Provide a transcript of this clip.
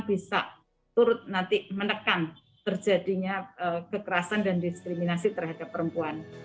jadi saya diharapkan bisa menekan terjadinya kekerasan dan diskriminasi terhadap perempuan